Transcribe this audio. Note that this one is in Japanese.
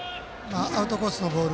アウトコースのボール